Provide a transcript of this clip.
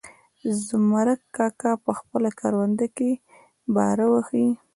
زمرک کاکا په خپله کرونده کې باره وهي.